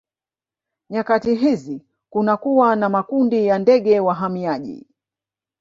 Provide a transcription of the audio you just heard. Nyakati hizi kunakuwa na makundi ya ndege wahamiaji